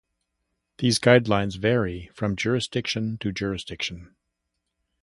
These guidelines vary from jurisdiction to jurisdiction.